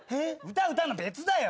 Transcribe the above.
歌歌うの別だよ。